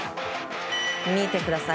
見てください。